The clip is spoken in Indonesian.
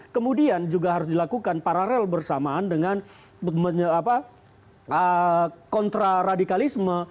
kemudian juga harus dilakukan paralel bersamaan dengan kontraradikalisme